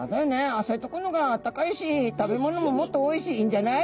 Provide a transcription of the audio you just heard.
浅いとこのがあったかいし食べ物ももっとおいしいんじゃない？